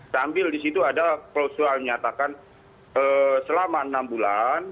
sambil di situ ada klausual menyatakan selama enam bulan